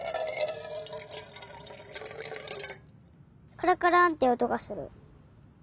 カラカランっておとがする。